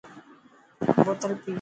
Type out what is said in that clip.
بوتل پئي.